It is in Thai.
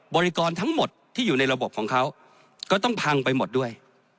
บริกรทั้งหมดที่อยู่ในระบบของเขาก็ต้องพังไปหมดด้วย